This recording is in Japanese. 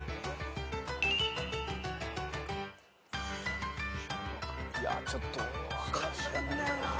いやちょっと分かんないんだよな俺。